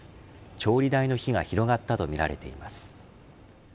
調理台の火が広がったとみられています。